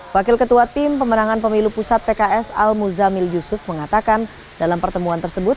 wakil ketua tim pemenangan pemilu pusat pks al muzamil yusuf mengatakan dalam pertemuan tersebut